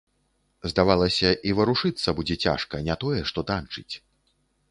Здавалася, і варушыцца будзе цяжка, не тое што танчыць.